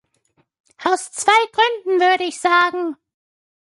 Aus zwei Gründen, würde ich sagen.